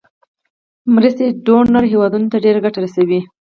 مرستې ډونر هیوادونو ته ډیره ګټه رسوي.